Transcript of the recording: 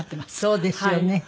そうですよね。